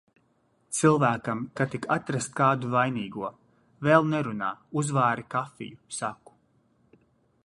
Cilvēkam, ka tik atrast kādu vainīgo. "Vēl nerunā, uzvāri kafiju," saku.